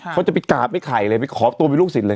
เขาจะไปกราบไอ้ไข่เลยไปขอตัวเป็นลูกศิษย์เลย